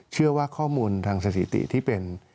เชื่อว่าข้อมูลทางสถิติที่เป็น